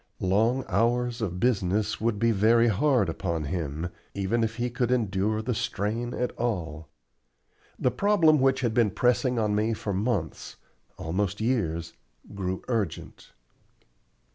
Long hours of business would be very hard upon him, even if he could endure the strain at all. The problem which had been pressing on me for months almost years grew urgent.